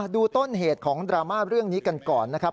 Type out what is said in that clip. ดูต้นเหตุของดราม่าเรื่องนี้กันก่อนนะครับ